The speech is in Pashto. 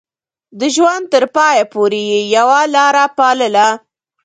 د ژوند تر پايه پورې يې يوه لاره پالله.